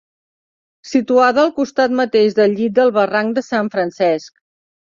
Situada al costat mateix del llit del barranc de Sant Francesc.